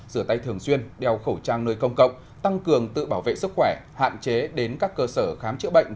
rửa tay thường xuyên đeo khẩu trang nơi công cộng tăng cường tự bảo vệ sức khỏe hạn chế đến các cơ sở khám chữa bệnh